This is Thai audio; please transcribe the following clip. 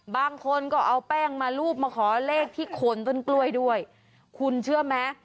บางคนก็เอาแป้งมารูปมาขอเลขที่โคนต้นกล้วยด้วยคุณเชื่อไหม